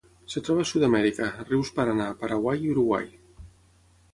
Es troba a Sud-amèrica: rius Paranà, Paraguai i Uruguai.